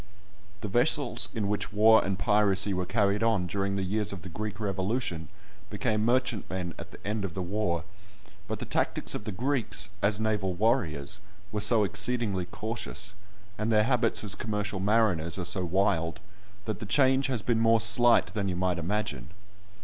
The vessels in which war and piracy were carried on during the years of the Greek Revolution became merchantmen at the end of the war; but the tactics of the Greeks, as naval warriors, were so exceedingly cautious, and their habits as commercial mariners are so wild, that the change has been more slight than you might imagine.